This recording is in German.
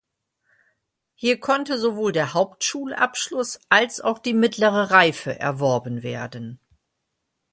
Hier konnte sowohl der Hauptschulabschluss als auch die mittlere Reife erworben werden.